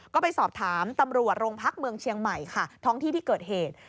ก็ไปสอบถามตำรวจโรงพักเมืองเชียงใหม่ค่ะท้องที่ที่เกิดเหตุ